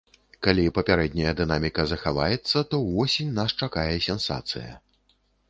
Калі папярэдняя дынаміка захаваецца, то ўвосень нас чакае сенсацыя.